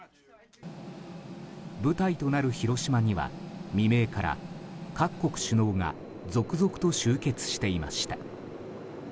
舞台となる広島には未明から各国首脳が続々と集結していました。